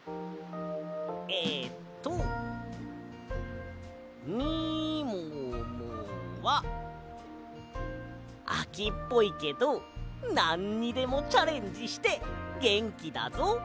えっと「みももはあきっぽいけどなんにでもチャレンジしてげんきだぞ。